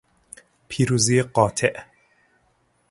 پیروزی قاطع